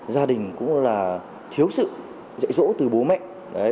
gia đình cũng là thiếu sự dạy dỗ từ bố mẹ